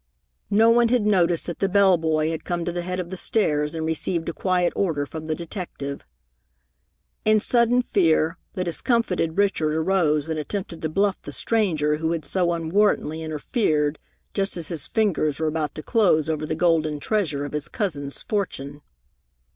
No one had noticed that the bell boy had come to the head of the stairs and received a quiet order from the detective. In sudden fear, the discomfited Richard arose and attempted to bluff the stranger who had so unwarrantly interfered just as his fingers were about to close over the golden treasure of his cousin's fortune.